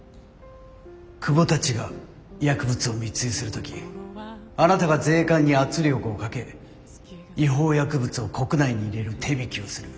久保たちが薬物を密輸する時あなたが税関に圧力をかけ違法薬物を国内に入れる手引きをする。